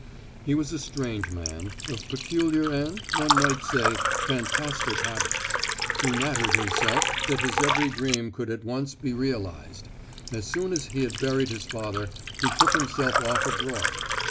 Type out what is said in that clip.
He was a strange man, of peculiar and, one might say, fantastic habits. He flattered himself that his every dream could at once be realised. As soon as he had buried his father he took himself off abroad.